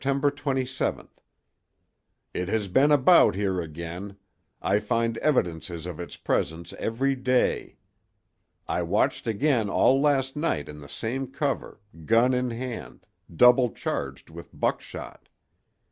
27.—It has been about here again—I find evidences of its presence every day. I watched again all last night in the same cover, gun in hand, double charged with buckshot.